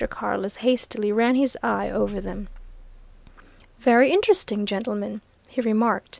Carless hastily ran his eye over them. "Very interesting, gentlemen," he remarked.